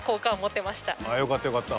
ああよかったよかった。